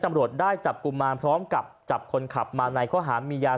ตำรวจได้จับกลุ่มมารพร้อมกับจับคนขับมาในข้อหามียา